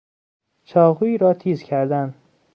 چاقوئی را تیز کردن